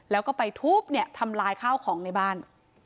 แล้วก็ไปทุบเนี่ยทำลายข้าวของในบ้าน